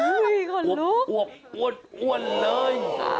ขวบขวบกวนอ้วนเลย